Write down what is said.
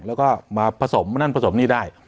แล้วก็มาผสมนั่นผสมนี่ได้